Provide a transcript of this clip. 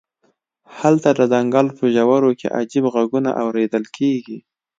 هلته د ځنګل په ژورو کې عجیب غږونه اوریدل کیږي